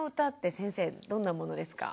先生どんなものですか？